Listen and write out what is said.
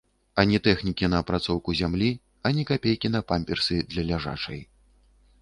Ані тэхнікі на апрацоўку зямлі, ані капейкі на памперсы для ляжачай.